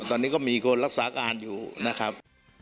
ตอนนี้ก็มีคนรักษาการอยู่นะครับ